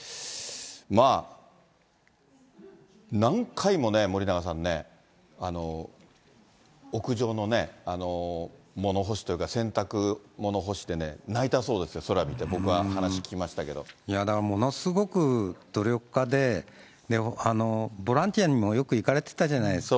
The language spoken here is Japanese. まあ、何回もね、森永さんね、屋上の物干しというか、洗濯物干しでね、泣いたそうですよ、空見て、だからものすごく努力家で、ボランティアにもよく行かれてたじゃないですか。